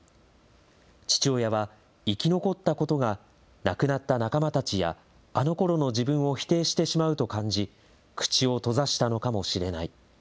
父親は生き残ったことが亡くなった仲間たちや、あのころの自分を否定してしまうと感じ、口を閉ざしたのかもしれない。